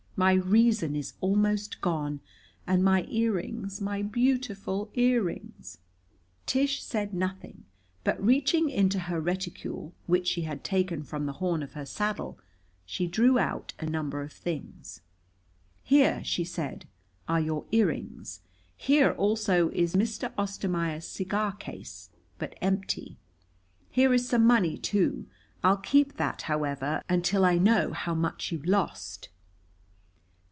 My reason is almost gone. And my earrings, my beautiful earrings!" Tish said nothing, but, reaching into her reticule, which she had taken from the horn of her saddle, she drew out a number of things. "Here," she said. "Are your earrings. Here also is Mr. Ostermaier's cigar case, but empty. Here is some money too. I'll keep that, however, until I know how much you lost."